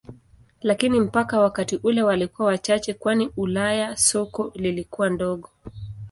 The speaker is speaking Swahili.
Lakini mpaka wakati ule walikuwa wachache kwani Ulaya soko lilikuwa dogo.